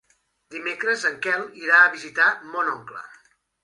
Dimecres en Quel irà a visitar mon oncle.